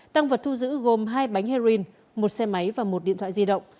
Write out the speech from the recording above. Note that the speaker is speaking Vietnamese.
tăng vật thu giữ gồm hai bánh heroin một xe máy và một điện thoại di động